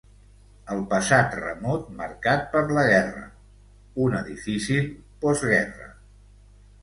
El passat remot, marcat per la guerra, una difícil postguerra...